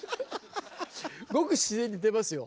ごく自然に出ますよ。